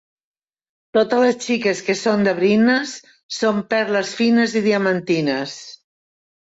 Totes les xiques que són de Brines, són perles fines i diamantines.